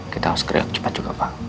kita harus gerak cepat juga pak